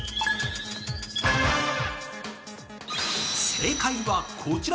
正解はこちら！